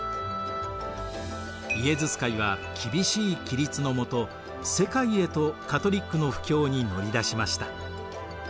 イエズス会は厳しい規律のもと世界へとカトリックの布教に乗り出しました。